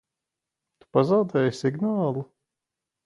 Tu pazaudēji signālu?